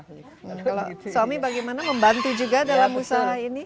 kalau suami bagaimana membantu juga dalam usaha ini